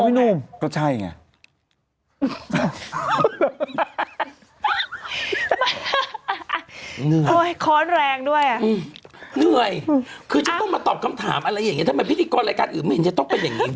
กลายเป็นตายจริงเลยเพราะเอาไปเก็บอยู่ในตู้เย็นอยู่ตั้งนี้